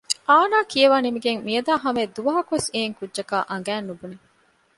އާނާ ކިޔަވާ ނިމިގެން މިއަދާ ހަމައަށް ދުވަހަކުވެސް އެއިން ކުއްޖަކާ އަނގައިން ނުބުނެ